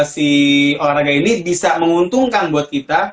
si olahraga ini bisa menguntungkan buat kita